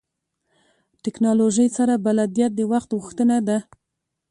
ټکنالوژۍ سره بلدیت د وخت غوښتنه ده.